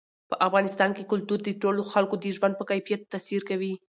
په افغانستان کې کلتور د ټولو خلکو د ژوند په کیفیت تاثیر کوي.